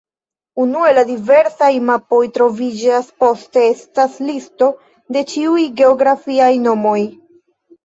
Unue la diversaj mapoj troviĝas, poste estas listo de ĉiuj geografiaj nomoj.